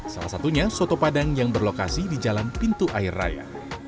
salah satunya soto padang yang berlokasi di jalan pintu air raya